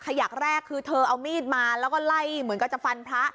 ขยักแรกคือเธอเอามีดมาแล้วก็ไล่เหมือนกันจะฟันพระ